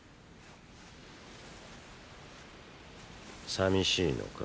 さみしいのか？